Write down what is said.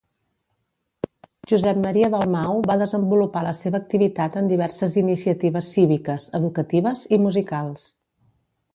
Josep Maria Dalmau va desenvolupar la seva activitat en diverses iniciatives cíviques, educatives i musicals.